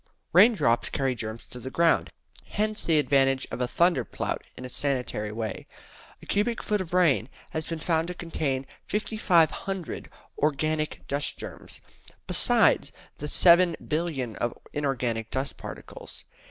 Raindrops carry the germs to the ground. Hence the advantage of a thunder plout in a sanitary way. A cubic foot of rain has been found to contain 5500 organic dust germs, besides 7,000,000,000 of inorganic dust particles.